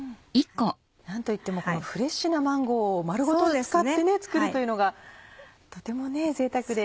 何といってもフレッシュなマンゴーを丸ごと使って作るというのがとても贅沢で。